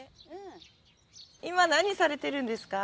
今何されてるんですか？